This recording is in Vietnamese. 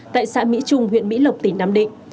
tại xã mỹ trung huyện mỹ lộc tỉnh nam định